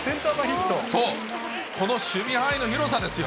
この守備範囲の広さですよ。